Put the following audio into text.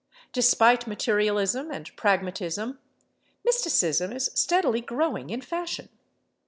Despite materialism and pragmatism, mysticism is steadily growing in fashion.